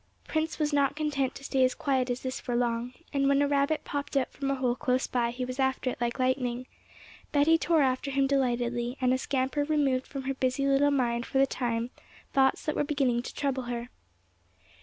Prince was not content to stay as quiet as this for long, and when a rabbit popped out from a hole close by, he was after it like lightning. Betty tore after him delightedly, and a scamper removed from her busy little mind for the time thoughts that were beginning to trouble her.